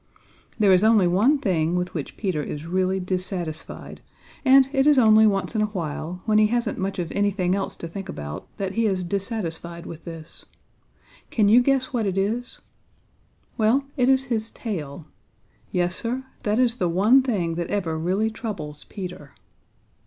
There is only one thing with which Peter is really dissatisfied, and it is only once in a while, when he hasn't much of anything else to think about, that he is dissatisfied with this. Can you guess what it is? Well, it is his tail. Yes, Sir, that is the one thing that ever really troubles Peter.